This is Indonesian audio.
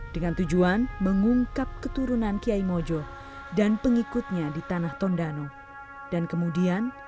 dengan tujuan mengungkap keturunan kiai mojo dan pengikutnya di tanah tondano dan kemudian